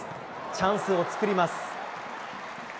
チャンスを作ります。